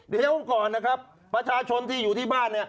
เดี๋ยวก่อนนะครับประชาชนที่อยู่ที่บ้านเนี่ย